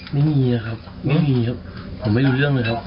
ไม่มีครับไม่มีครับผมไม่รู้เรื่องเลยครับ